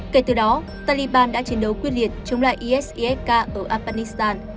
kể từ đó taliban đã chiến đấu quyết liệt chống lại isifk ở afghanistan